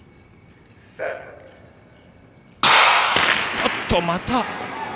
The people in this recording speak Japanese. おっと、また。